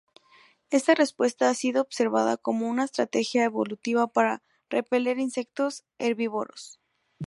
Esta respuesta ha sido observada como una estrategia evolutiva para repeler insectos herbívoros.